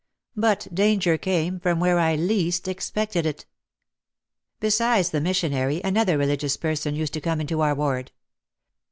But danger came from where I least expected it. Besides the missionary another religious person used to come into our ward.